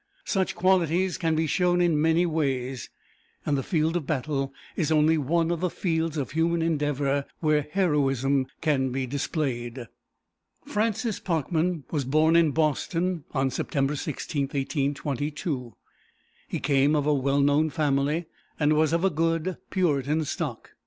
Such qualities can be shown in many ways, and the field of battle is only one of the fields of human endeavor where heroism can be displayed. Francis Parkman was born in Boston on September 16, 1822. He came of a well known family, and was of a good Puritan stock.